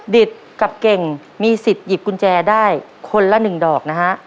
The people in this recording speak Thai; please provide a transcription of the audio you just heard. ดิตกับเก่งมีสิทธิ์หยิบกุญแจได้คนละ๑ดอกนะฮะ